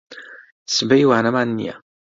سبەی وانەمان نییە.